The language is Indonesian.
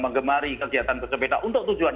mengemari kegiatan bersepeda untuk tujuan